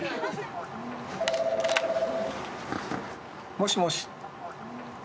もしもし。